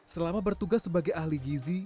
selama bertugas sebagai ahli gizi